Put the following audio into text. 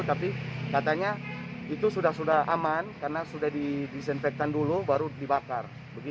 tapi katanya itu sudah sudah aman karena sudah didisinfektan dulu baru dibakar